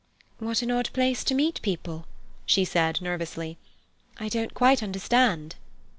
"What an odd place to meet people!" she said nervously. "I don't quite understand."